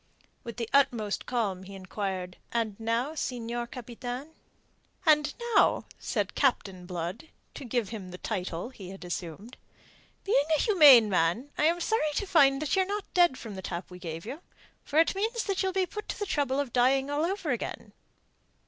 With the utmost calm he enquired: "And now, Senior Capitan?" "And now," said Captain Blood to give him the title he had assumed "being a humane man, I am sorry to find that ye're not dead from the tap we gave you. For it means that you'll be put to the trouble of dying all over again."